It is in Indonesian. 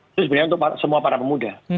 itu sebenarnya untuk semua para pemuda